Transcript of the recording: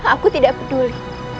aku tidak peduli